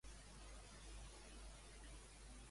Quin és el miracle de Mahoma que observa Mestre Quissu?